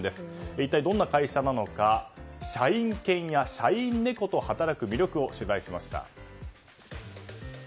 一体、どんな会社なのか社員犬や社員猫と働く魅力を取材しました。